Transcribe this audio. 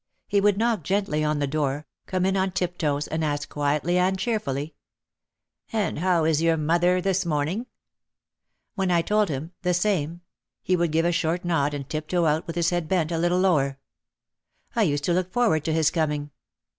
He would knock gently on the door, come in on tip toes and ask quietly and cheerfully, "And how is your mother this morning ?" When I told him, "The same," he would give a short nod and tip toe out with his head bent a little lower. I used to look forward to his coming.